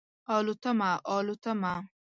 الوتمه، الوتمه